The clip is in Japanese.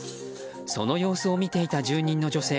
その様子を見ていた住人の女性